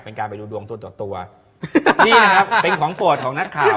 เป็นการไปดูดวงตัวต่อตัวนี่นะครับเป็นของโปรดของนักข่าว